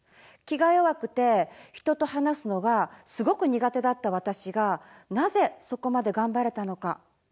気が弱くて人と話すのがすごく苦手だった私がなぜそこまでがんばれたのか？